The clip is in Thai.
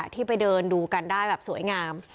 ที่ไปเดินดูกันได้แบบสวยงาม